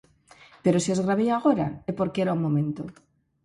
Pero se os gravei agora é porque era o momento.